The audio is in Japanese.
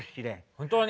本当に？